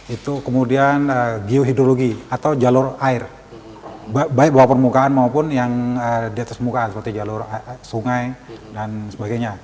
itu kemudian geohidrologi atau jalur air baik bawah permukaan maupun yang di atas muka seperti jalur sungai dan sebagainya